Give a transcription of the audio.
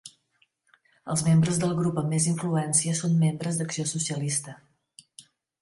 Els membres del grup amb més influència són membres d'Acció Socialista.